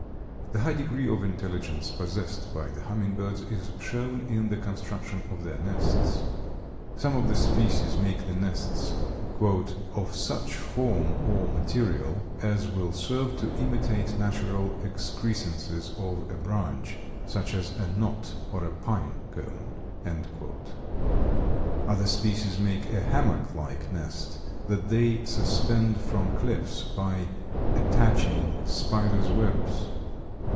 The high degree of intelligence possessed by the hummingbirds is shown in the construction of their nests. Some of the species make the nests "of such form or material as will serve to imitate natural excrescences of a branch, such as a knot or a pine cone." Other species make a hammock like nest that they suspend from cliffs by attaching spiders' webs.